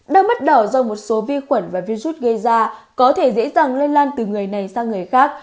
đau mắt đỏ do một số vi khuẩn và virus gây ra có thể dễ dàng lây lan từ người này sang người khác